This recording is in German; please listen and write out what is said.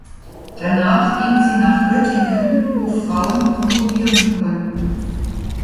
Danach ging sie nach Göttingen, wo Frauen promovieren konnten.